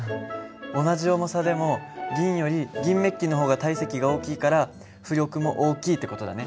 同じ重さでも銀より銀めっきの方が体積が大きいから浮力も大きいって事だね。